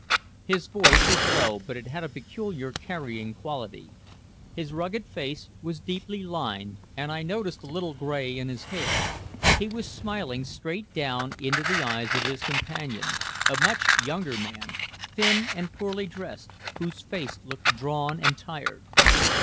His voice was low but it had a peculiar carrying quality. His rugged face was deeply lined, and I noticed a little gray in his hair. He was smiling straight down into the eyes of his companion, a much younger man, thin and poorly dressed, whose face looked drawn and tired.